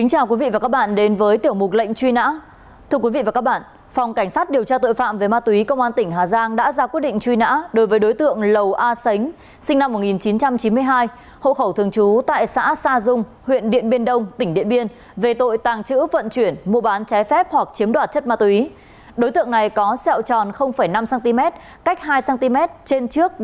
hãy đăng ký kênh để ủng hộ kênh của chúng mình nhé